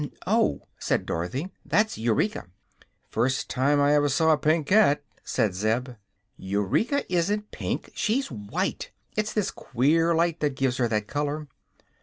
"Oh," said Dorothy. "There's Eureka." "First time I ever saw a pink cat," said Zeb. "Eureka isn't pink; she's white. It's this queer light that gives her that color."